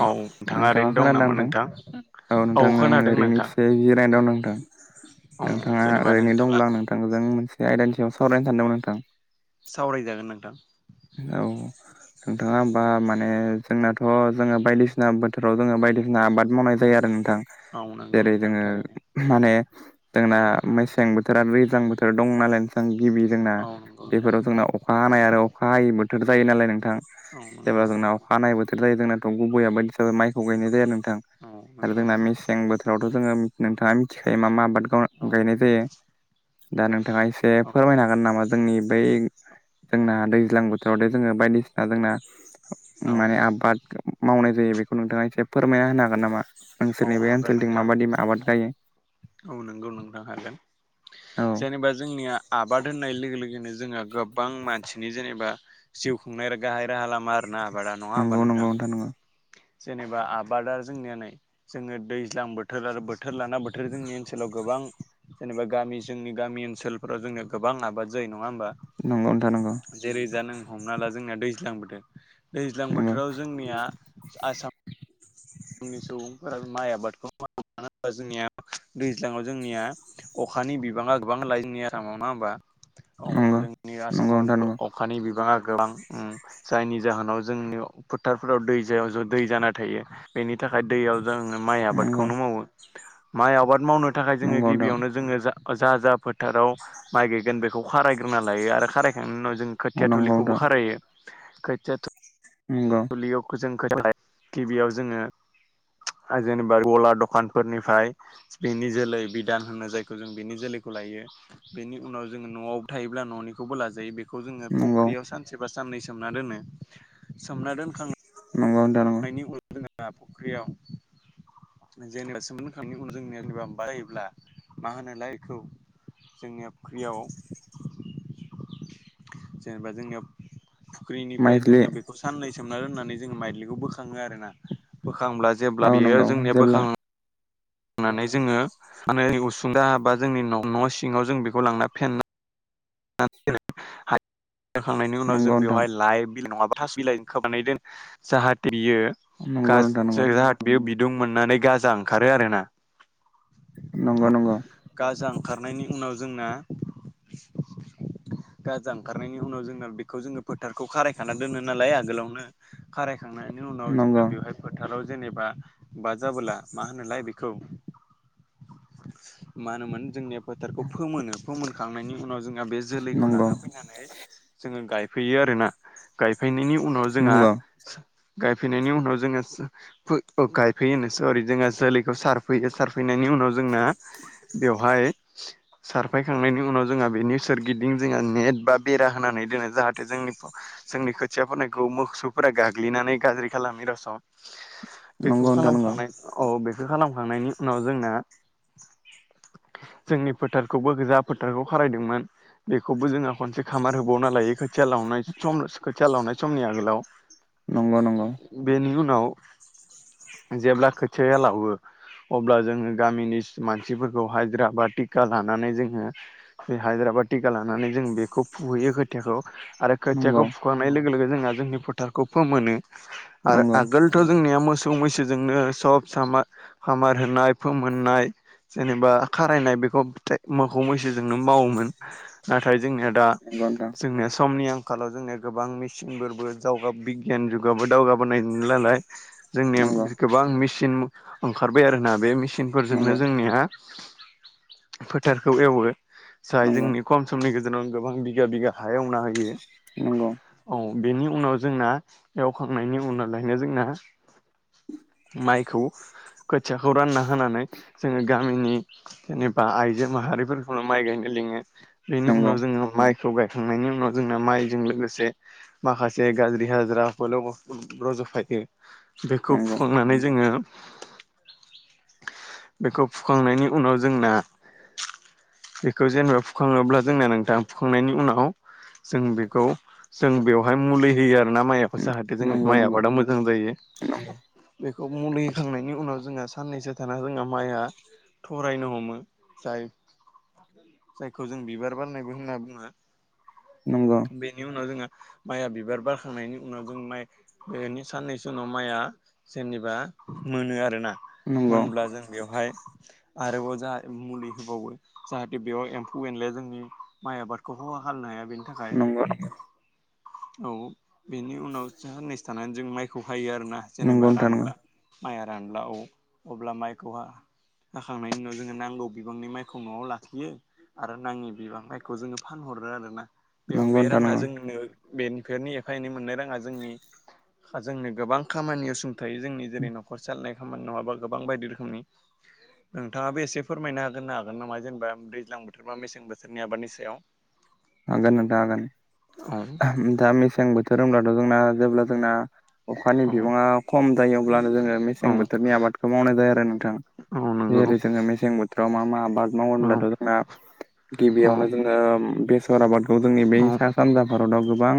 औ नोंथाङा खोनादों ना नोंथां औ नोंथांं खोनादों नोंथां ओरैनोस जिरायनो दं नोंथां औ नोंथाङा जेनेबा ओरैनो नोंथाङा दंब्ला आं नोंथांजों मोनसे आयदानि सायाव सावरायनो सानदोंमोन नोंथां सावरायजागोन नोंथां औ नोंथाङा होमबा माने जोंनाथ' जोङो बायदिसिना बोथोराव जोङो बायदिसिना आबाद मावनाय जायो आरो नोंथां। मावनांगौ जेरै नोंथां जोङो थारैनो माने जोंना मेसें बोथोरा दैज्लां बोथोर दं नालाय गिबि जोंना औ नंगौ नोंथां बेफोराव जोंना अखा हानाय आरो अखा है बोथोर जायो नालाय नोंथां औ जेब्ला नंगौ जोंनाव अखा हानाय बोथोर जायो जोंनाथ' दंग' गैया बायदि माइखौ गायनाय जाया नोंथां औ आरो नंगौ जोंना नोंथां मेसें बोथोरावथ' जोङो नोंथाङा मिथिखायो मा मा आबाद औ गायनाय जायो दा नोंथाङा एसे औ फोरमायना नामा जोंनि बै जोंना दैज्लां बोथोराव जे जोङो बायदिसिना जोंना औ माने आबाद मावनाय जायो बेखौ नोंथाङा एसे फोरमायना होनो हागोन नामा? औ नोंसोरनि बे हागोन ओनसोलथिं नोंथां माबादि आबाद गायो? औ नंगौ नोंथां हादों औ जेनेबा जोंनिया आबाद होन लोगो लोगोनो जोंहा गोबां मानसिनि जेनेबा जिउ खुंनाय गाहाय राहा लामा जोंना आबादा नङा नंगौ होमबा नोंथां नंगौ जेनेबा आबादा जोंनिया नै जोङो दैज्लां बोथोर आरो बोथोर लाना बोथोर जोंनि ओनसोलाव गोबां जेनेबा गामि जोंनि गामि ओनसोलफोराव जोंनिया गोबां आबाद जायो नङा होमबा? नंगौ नंथां नांगौ जेरै दा नों हमना ला जोंनिया दैज्लां बोथोर दैज्लां नंगौ बोथोराव जोंनिया आसाम [inaudible] जोंनि सुबुंफोरा माइ आबादखौ मावो मानो होनबा जोंनिया दैज्लाङाव जोंनिया अखानि बिबाङा गोबां लायो जोंनि आसामाव नङा होमबा नंगौ जोंनि नंगौ आसामाव नोंथां अखानि बिबाङा गोबां उम जायनि जाहोनाव जोंनि फोथारफोराव दै जायाव ज' दै जाना थायो। बेनि थाखाय दैयाव जोंनो माइ नंगौ आबादखौनो मावो माइ आबाद मावनो थाखाय जोङो नंगौ नंगौ गिबियावनो जोङो जा जा जा फोथाराव माइ गायगोन बेखौ खारायग्रोना लायो आरो खारायखांनायनि उनाव जों खोथिया थुलिखौबो नोंथां खारायो खोथिया थु नोंगौ [unintelligible] गिबियाव जोङो [unintelligible] गला दखानफोरनिफ्राय बेनि जोलै बिधान होनो जायखौ जों बेनि जोलैखौ लायो। बेनि उनाव जोङो न'आवबो थायोब्ला न'निखौबो लाजायो बे खौ नंगौ जोड़ो फुख्रियाव सानसे बा साननै सोमना दोनो सोमना दोनखां नंगौ नोंथां नं नि [unintelligible] फुख्रियाव जेनेबा सोमखांनायनि उन जों जेनेबा बारायोब्ला मा होनोलाय बेखौ जोंनिया फुख्रिआव जेनेबा जोंनिया फुख्रिनिफ्राय माइज्लि जोंनिया बेखौ साननै सोमना दोननानै जोङो माइलिखौ बोखाङो आरोना बोखांब्ला औ जेब्ला बियो नंगौ जोंनिया जेब्ला बोखां नानै जोङो मा होनो उसुंदा बा जोंनि न' सिङाव जों बेखौ लांना फेन हालेवखांनायनि उनाव जों नंगौ नोंथां बेवहाय लाइ बिलाइ नङाबा थास' बिलाइ खोबनानै दोनो जाहाथे बियो नंगौ गाज नोंथां नंगौ बे बिदुं मोननानै गाजा ओंखारो आरो ना। नंगौ नंगौ गाजा ओंखारनायनि उनाव जोंना गाजा ओंखारनायनि उनाव जोंना बेखौ जोङो फोथारखौ खारायखाना दोनो नालाय आगोलावनो खारायखांनायनि उनाव नंगौ जोंना बेवहाय फोथाराव जेनेबा बा जाबोला मा होनोलाय बेखौ मा होनोमोन जोंनिया फोथारखौ फोमोनो फोमोनखांनायनि उनाव जों बे जोलैखौ नंगौ लाना फैनानै जोङो गायफैयो आरो ना। गायफैनायनि उनाव जोंआ नंगौ गायफैनायनि उनाव जोंनिया फो ओ गायफैयोनो सरि जोंहा जोलैखौ सारफैयो सार फैनायनि उनाव जोंना बेवहाय सारफायखांनायनि उनाव जोंहा बेनि सोरगिदिं जोंहा नेट बा बेरा होनानै दोनो जाहाथे जोंनि जोंनि खोथिया फोनायखौ मोसौफोरा गाग्लिनानै गाज्रि खालाम [unintelligible] बेखौ नंगौ नोंथां नंगौ खालामखांनाय औ बेखौ खालामखांनायनि उनाव जोंना जोंनि फोथारखौबो जा फोथारखौ खारायदोंमोन बेखौबो जोंङो खनसे खामार होबावना लायो खोथिया लावनाय सम खोथिया लावनाय समनि आगोलाव नंगौ नंगौ बेनि उनाव जेब्ला खोथियाया लावो अब्ला जोङो गामिनि मानसिफोरखौ हाजिरा बा टिका लानानै जोङो बे हाजिरा बा टिखा लानानै जों बेखौ फुहोयो खोथियाखौ। आरो नंगौ खोथियाखौ फुखांनाय लोगो लोगो जोंहा जोंनि फोथारखौ फोमोनो आरो नंगौ नंगौ आगोल थ' जोंनिया मोसौ मैसोजोंनो सब सामा खामार होनाय फोमोननाय जेनेबा खारायनाय बेखौ मोसौ मैसोजोंनो मावोमोन नाथाय जोंनिया दा नंगौ जोंनिया समनि आं खालाव जोंनिया गोबां मेसिनफोरबो दावगा बिगियान जुगाबो दावगाबोनाय नुयो नालाय नोंथां जोंनिया नंगौ गोबां मेचिन ओंखारबाय आरो ना बे मेचिनफोरजोंनो जोंनिया फोथारखौ एवो जाय नंगौ जोंनि खम समनि गेजेरावनो गोबां बिगा बिगा हा एवना होयो नंगौ औ बेनि उनाव जोंना एवखांनायनि उनावलायनो जोंना माइखौ खोथियाखौ रानना होनानै जोङो गामिनि जेनेबा आइजो माहारिफोरखौनो माइ गायनो लिङो बेनि उनाव जोङो माइ खौ गायखांनायनि उनाव जोंना माइजों लोगोसे माखासे गाज्रि हाजिराफोरल' रज'फायो बेखौ नंगौ फुखांनानै जोङो बेखौ फुखांनायनि उनाव जोंना बेखौ जेनेबा फुखाङोब्ला जोंनिया नोंथां फुखांनायनि उनाव जों बेखौ जों बेवहाय मुलि होयो आरोना माइआव। जाहाते नंगौ जोंनि नंगौ माइ आबादा मोजां जायो बेखौ मुलि होखांनायनि उनाव जोंहा साननैसो थाना जोंहा माइआ थरायनो हमो जाय जायखौ जों बिबार बारनायबो होनना बुङो। नंगौ। बेनि उनाव जोङो माइया बिबार बारखांनायनि उनाव जों माइ बेनि साननैसो उनाव माइआ जेनेबा मोनो आरोना। नंगौ मोनब्ला जों बेवहाय आरोबाव जा मुलि होबावो। जाहाथे बेयाव एम्फौ-एनलाया जोंनि माइ आबादखौ खहा खालामनो हाया। बे थाखाय नंगौ औ बेनि उनाव साननैसो थानानै जों माइखौ हायो आरोना जेनेबा नोंथां नंगौ रानब्ला माइआ रानला औ अब्ला माइखौ हा जाखांनायनि उनाव जोङो नांगौ बिबांनि माइखौ न'आव लाखियो। आरो नाङि बिबां माइखौ जोङो फानहरो आरोना। बेयाव नंगौ बे नोंथां राङा नंगौ जोंनो बेफोरनि एफा एनै मोननाय राङा जोंनि जोंनो गोबां खामानियाव सुं थाय। जोंनि जेरै- न'खर सालानाय खामानि नङाबा गोबां बायदि रोखोमनि। नोंथाङाबो एसे फोरमायना हानो हागोन नामा जेनेबा दैज्लां बोथोर बा मेसें बोथोरनि आबादनि सायाव? [inaudible] हागोन नोंथा हागोन। औ दा मेसें बोथोर होनब्लाथ' जोंना जेब्ला जोंना अखानि औ बिबाङा खम जायो अब्लानो जोङो औ मेसें बोथोरनि आबादखौ मावनाय जायो आरो नोंथां। औ नंगौ जेरै- जोङो मेसें बोथोराव मा मा आबाद मावो औ होनब्लाथ' जोंना औ गिबियावनो जों बेसर आबादखौ जोंनि औ बे सा-सानजा भारताव गोबां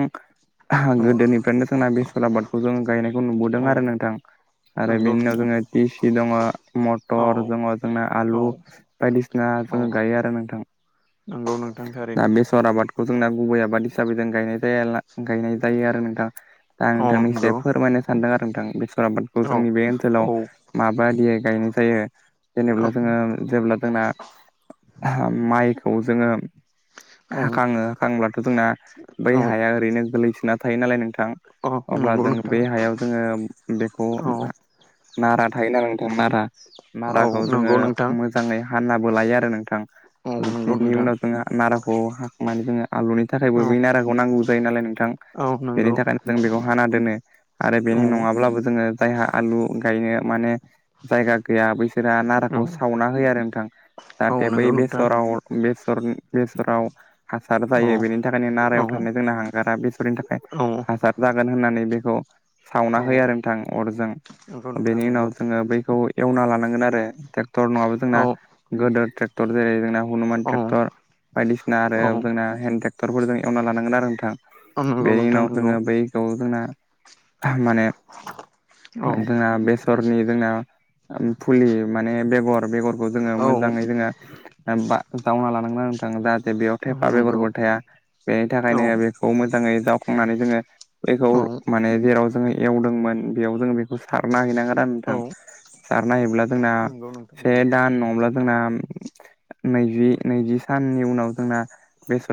औ गोदोनिफ्रायनो जोंना बेसर आबादखौ जोंङो गायनायखौ नुबोदों औ आरो नोंथां। आरो नंगौ बिनि उनाव नोंथां जोङो टिसि दङ। औ मटर जोङो जोंना औ आलु बायदिसिना औ जोङो गायो आरो नोंथां। नंगौ नोंथां थारैनो। दा बेसर आबादखौ जोंना गुबै आबाद हिसाबै जों गायनाय जाया-गायनाय जायो आरो नोंथां। दा औ नोंथांनो एसे नंगौ फोरमायनो सानदों आरो नोंथां। बेसर आबादखौ औ जोंनि बे औ ओनसोलाव मा बायदियै गायनाय जायो। औ जेनेब्ला जोङो जेब्ला जोंना माइखौ जोङो औ हाखाङो। हाखांब्लाथ' जोंना बै हाया ओरैनो गोरलैसोना थायो नालाय नोंथां। औ थां। अब्ला नंगौ जोङो नोंथां बे हायाव जोङो बेखौ औ नारा थायोना आरो नोंथाङा नारा औ नाराखौ जोङो नंगौ नोंथां मोजाङै हानाबो लायो आरो नोंथां औ नंगौ बेनि नोंथां उनाव जोंहा नारा खौ माने जोङो आलुनि थाखायबो औ बै नाराखौ नांगौ जायो नालाय नोंथां। औ बेनि नंगौ थाखायनो जों बेखौ हाना दोनो आरो औ बेनि नङाब्लाबो जोङो जायहा आलु गायनो माने जायगा गैया बैसो रहा औ नाराखौ सावना होयो आरो नोंथां। औ जाहाथे बै नंगौ नोंथां बेसराव बेसर राव हासार औ जायो। बेनि थाखायनो औ नारायाव थानाय जोंना हांगारा बेसरनि थाखाय औ हासार जागोन होननानै बेखौ सावना औ होयो आरो नोंथां अरजों। नंगौ नोंथां बेनि नंगौ उनाव जोङो बैखौ एवना लानांगोन आरो। ट्रेक्टर नङाब्ला औ जोंना गोदोर ट्रेक्टर जेरै- जोंना हनुमान औ ट्रेक्टर, बायदिसिना आरो औ जोंना हेन्द ट्रेक्टरफोरजों एवना लानांगोन आरो नोंथां। नंगौ बेनि नोंथां उनाव नंगौ जोङो बै नवाव जोंना माने औ जोंना बे सरनि जोंना फुलि माने बेगर बेगरखौ जोङो औ मोजाङै जोङो जावना लानांगोन आरो नोंथां। जाहाथे बेयाव औ थेफा नंगौ बेगरबो थाया। बेनि थाखायनो औ बे खौ मोजाङै जावखांनानै जोङो बैखौ औ माने जेराव जोङो एवदोंमोन। बेयाव जोङो बेखौ सारना हैनांगोन आरो औ नोंथां। सारना हैब्ला जोंना नंगौ नोंथां से नंगौ दान नङाब्ला जोंना नैजि नैजि साननि उनाव जोंना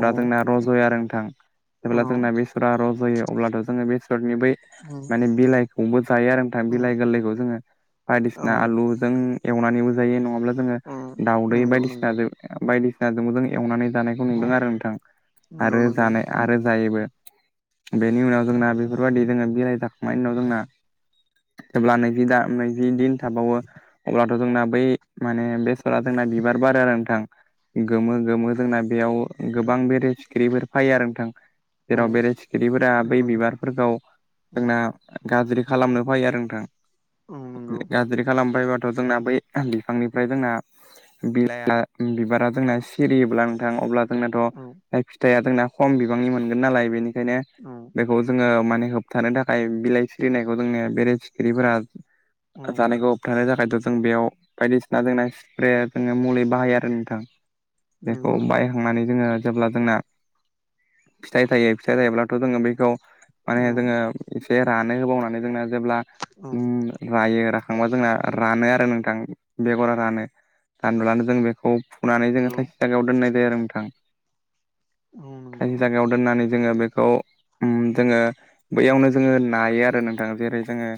औ जोंना रज'यो आरो नोंथां। जेब्ला जोंना बेसरा रज'यो अब्लाथ' जोङो बेसरनि बै [unintelligible] माने बिलाइखौबो जायो आरो नोंथां। उम बिलाइ गोरलैखौ जोङो औ बायदिसिना आलुजों एवनानैबो जायो नङाब्ला जोङो उम दाउदै नंगौ नंगौ बायदिसिनाजो बायदिसिनाजोंबो जों एवनानै जानाय औ नुदों आरो नोंथां नंगौ आरो नोंथां जानाय आरो जायोबो। बेनि उनाव जोंना बेफोरबायदि जोङो बिलाइ जाखांनायनि उनाव जोंना जेब्ला नैजि दा नैजि दिन थाबावो अब्लाथ' जोंना बै माने बेसरा जोंना बिबार बारो आरो नोंथां। गोमो गोमो जोंना बेयाव नोंथां गोबां बेरे सिखिरिफोर फैयो आरो नोंथां। औ जेराव बेरे सिखिरिफोरा बै नंगौ बिबारफोरखौ नोंथां औ जोंना गाज्रि खालामनो फैयो आरो नोंथां। औ नंगौ गाज्रि खालामनो फैबा जोंना बै बिफांनिफ्राय जोंना बिलाइआ बिबारा जोंना सिरियोब्ला नोंथां अब्ला औ जोंनाथ' फिथाइया जोंना खम बिबांनि मोनगोन नालाय बेनिखायनो औ बेखौ जोङो माने होबथानो थाखाय बिलाइ सिरिनायखौ जोंनि बेरे सिखिरिफोरा औ जानायखौ होबथानो थाखायथ' जों बेयाव बायदिसिना जोंना स्प्रे जों मुलि बाहायो आरो नोंथां। बेखौ नंगौ नोंथां बाहायखांनानै जोङो जेब्ला जोंना फिथाइ थायो फिथाइ थायोब्लाथ' जोङो बेखौ माने औ जोङो एसे रानो होबावनानै जोंना जेब्ला औ उम रायो राखांबा जोंना रानो आरो नोंथां बेगरा रानो। रानब्लानो जों बेखौ फुनानै जोङो नंगौ थाइसे जागायाव दोननाय जायो आरो नोंथां। औ नंगौ थाइसे जायागायाव दोननानै जोङो बेखौ उम जोङो बैयावनो जोङो नायो आरो नोंथां जेरै जोङो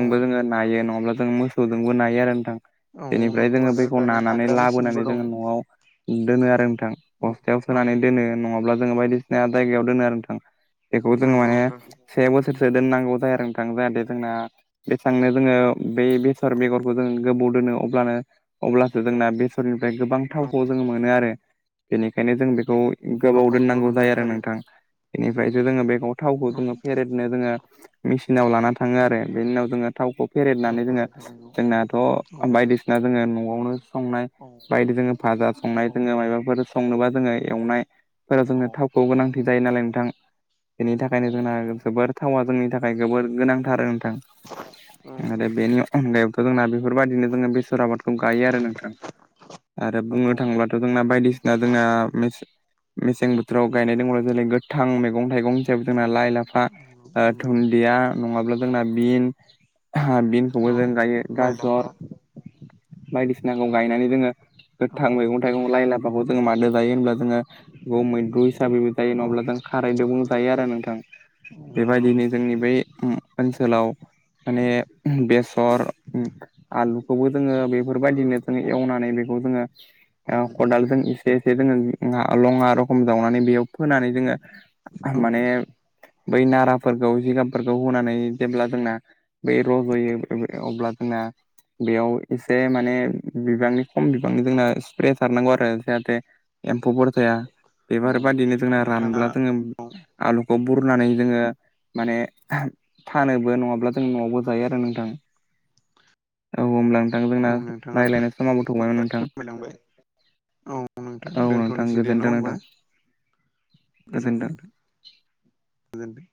औ जोङो नायो नङाब्ला जों मोसौजोंबो नायो आरो नोंथां। औ बेनिफ्राय नंगौ जोङो आरो बैखौ दानिया नानानै नाग्रा मेसिनबो लाबोनानै दं जोङो न'आव दोनो आरो नोंथां औ बस्थायाव औ सोनानै दोनो नङाब्ला जोङो बायदिसिना जायगायाव दोनो आरो नोंथां। बेखौ जोङो नंगौ माने नोंथां से बोसोरसो दोननांगौ जायो आरो नोंथां जाहाथे जोंना जेसांनो जोङो बे बेसर बेगरखौ जोङो गोबौ दोनो अब्लानो अब्लासो जोंना बेसरनिफ्राय गोबां थाव औ खौ जों मोनो आरो बेनिखायनो जों बेखौ गोबाव नंगौ दोननांगौ जायो आरो थारैनो नोंथां। बेनिफ्रायसो जोङो बेखौ थावखौ औ जोङो फेरेदनो जोङो मेसिनाव लाना थाङो औ आरो बेनि उनाव जोङो थावखौ फेरेेदनानै नंगौ जोङो नोंथां नंगौ जोंनाथ' औ बायदिसिना जोङो न'आवनो संनाय औ बायदि जोङो भाजा संनाय औ जोङो माबाफोर संनोबा जोङो एवनाय फोराव औ जोंनो थावखौ गोनांथि जायो नालाय नोंथां बेनि थाखायनो औ जोंना नंगौ जोबोर थावा जोंनि थाखाय जोबोर गोनांथार औ नोंथां। आरो नोंथां बेनि अनगायैबोथ' जोंना बेफोरबायदिनो जोङो बेसर आबादखौ गायो आरो नोंथां। आरो बुंनो औ थाङोबाथ' जोंना बायदिसिना जोंना मेस मेसें बोथोराव गायनाय दङब्ला जेरै गोथां मैगं थाइगं जोंना औ लाइ लाफा नंगौ नंगौ दुुनन्दिया नङाब्ला जोंना बिन हा बिनखौबो औ जों गायो लाइ लाफा गाजर बायदिसिनाखौ गायनानै जोङो औ गोथां मैगं थाइगं लाइ लाफाखौ जोङो मादो जायो होनब्ला जोङो गु मैद्रु हिसाबैबो जायो नङाब्ला औ जों खारैदो‌बो जायो आरो नोंथां। नंगौ बेबायदिनो जोंनि बै ओनसोलाव माने बेसर आलुखौबो जोङो बे बेफोरबायदिनो जोङो एवनानै बेखौ जोङो औ खदालजों एसे एसे जोङो लङा रखम जावनानै बेयाव फोनानै जोङो औ माने बै नाराफोरखौ जिगाबफोरखौ होनानै जेब्ला जोंना बै रज'यो अब्ला जोंना बेयाव एसे माने बिबांनि खम बिबांनि जोंना स्प्रे सारनांगौ आरो जाहाथे एम्फौफोर जाया। औ बेफोरबायादिनो जोंना नोंथाङा रानब्ला जोङो औ आलुखौ बुरनानै जोङो माने फानोबो नङाब्ला जों न'आवबो जायो आरो नोंथां औ होमब्ला नोंथां जोंना औ नोंथाङा बेखौ रायज्लायनाय सम मावाबबोथ'बायमोन नोंथां औ नोंथां औ नोंथां दोनथ'नोसै दे न' गोजोनथों होनबा नोंथां गोजोनथों गोजोनथों